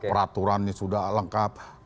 peraturan ini sudah lengkap